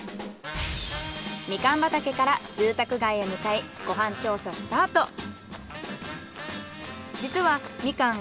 ミカン畑から住宅街へ向かいご飯調査スタート。